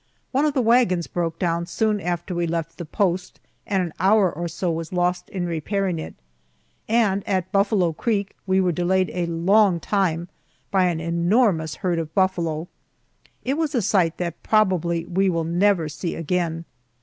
One of the wagons broke down soon after we left the post, and an hour or so was lost in repairing it, and at Buffalo Creek we were delayed a long time by an enormous herd of buffalo. It was a sight that probably we will never see again.